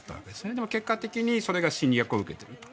でも結果的にそれが侵略を受けている。